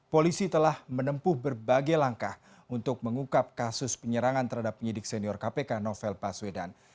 polisi telah menempuh berbagai langkah untuk mengukap kasus penyerangan terhadap penyidik senior kpk novel baswedan